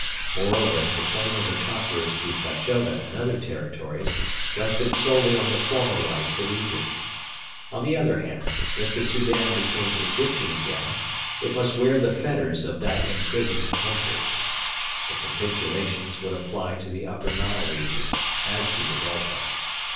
Moreover, the claim of the conquerors to Fashoda and other territories rested solely on the former rights of Egypt. On the other hand, if the Soudan became Egyptian again, it must wear the fetters of that imprisoned country. The Capitulations would apply to the Upper Nile regions, as to the Delta.